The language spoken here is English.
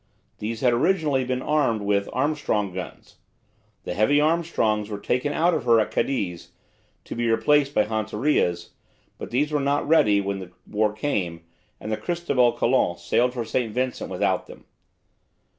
These had originally been armed with Armstrong guns. The heavy Armstrongs were taken out of her at Cadiz to be replaced by Hontorias, but these were not ready when the war came, and the "Cristobal Colon" sailed for St. Vincent without them.